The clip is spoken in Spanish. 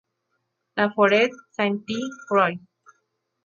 La Forêt-Sainte-Croix